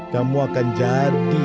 kamu akan jadi